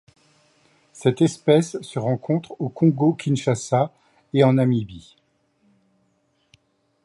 Cette espèce se rencontre au Congo-Kinshasa et en Namibie.